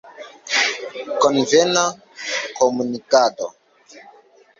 Konvena komunikado.